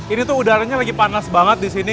ini tuh udaranya lagi panas banget disini